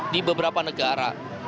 di beberapa negara